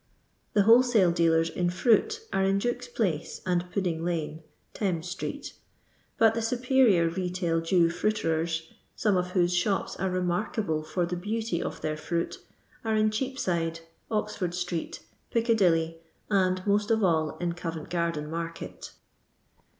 The wholesale dealers in fruit are in Duke's placc and Puddinghine (Thames street), but the superior retail Jew fruiterers — some of whose shops are remarkable for the beauty of their fruit — are in Cheapside, Oxford street, Ticca dilly, and most of all in Covcnt gardcn market.